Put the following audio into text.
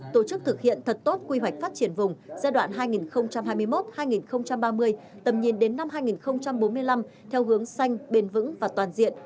tổ chức thực hiện thật tốt quy hoạch phát triển vùng giai đoạn hai nghìn hai mươi một hai nghìn ba mươi tầm nhìn đến năm hai nghìn bốn mươi năm theo hướng xanh bền vững và toàn diện